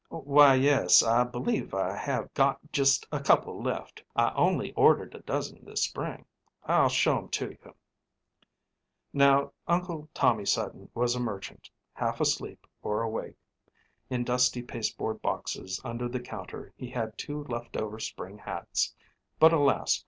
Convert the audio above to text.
"Why, yes, I believe I have got just a couple left. I only ordered a dozen this spring. I'll show 'em to you." Now, Uncle Tommy Sutton was a merchant, half asleep or awake. In dusty pasteboard boxes under the counter he had two left over spring hats. But, alas!